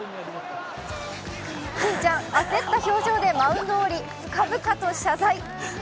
金ちゃん、焦った表情でマウンドを降り、深々と謝罪。